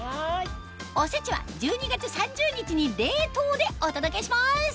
おせちは１２月３０日に冷凍でお届けします！